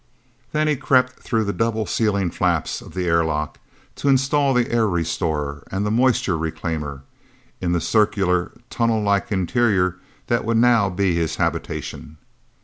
Then he crept through the double sealing flaps of the airlock, to install the air restorer and the moisture reclaimer in the circular, tunnel like interior that would now be his habitation.